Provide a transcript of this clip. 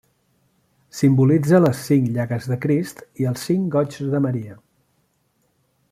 Simbolitza les cinc llagues de Crist i els cinc goigs de Maria.